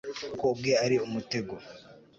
kuko ubwe ari umutego